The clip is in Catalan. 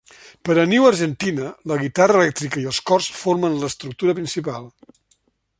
Per "A New Argentina", la guitarra elèctrica i els cors formen l'estructura principal.